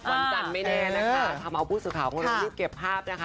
วันจันทร์ไม่แน่นะคะทำเอาผู้สื่อข่าวของเรารีบเก็บภาพนะคะ